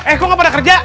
eh kok nggak pada kerja